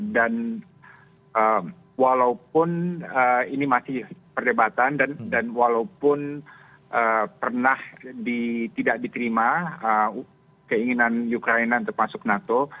dan walaupun ini masih perdebatan dan walaupun pernah tidak diterima keinginan ukraina termasuk nato